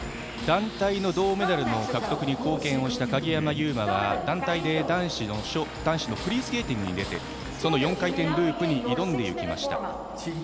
団体銅メダル獲得に貢献した鍵山優真は、団体で男子のフリースケーティングに出てその４回転ループに挑んでいきました。